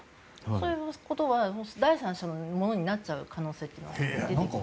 そういう時は第三者のものになっちゃう可能性が出てきます。